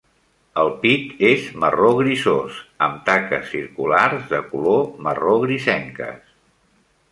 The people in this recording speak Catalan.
El pit és marró grisós amb taques circulars de color marró-grisenques.